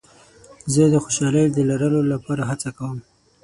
زه د خوشحالۍ د لرلو لپاره هڅه کوم.